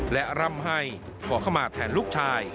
และร่ำให้ขอเข้ามาแทนลูกชาย